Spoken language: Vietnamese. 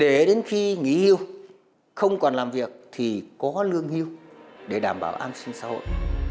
để đến khi nghỉ hưu không còn làm việc thì có lương hưu để đảm bảo an sinh xã hội